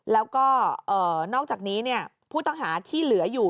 แล้วก็นอกจากนี้ผู้ต้องหาที่เหลืออยู่